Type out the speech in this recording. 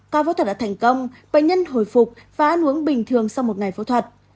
các phẫu thuật đã thành công bệnh nhân hồi phục phá nuống bình thường sau một ngày phẫu thuật